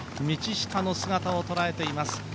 道下の姿を捉えています。